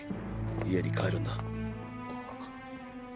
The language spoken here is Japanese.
家に帰るんだ。